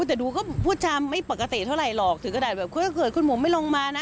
แต่ดูก็พูดชามไม่ปกติเท่าไหร่หรอกถึงกระดาษแบบถ้าเกิดคุณบุ๋มไม่ลงมานะ